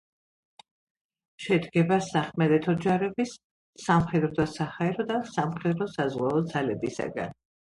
შედგება სახმელეთო ჯარების, სამხედრო-საჰაერო და სამხედრო-საზღვაო ძალებისაგან.